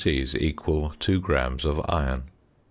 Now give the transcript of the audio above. equal 2 grams of iron.